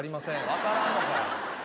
分からんのかい。